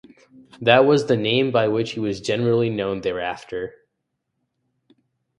That was the name by which he was generally known thereafter.